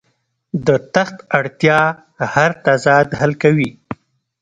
د تخت اړتیا هر تضاد حل کوي.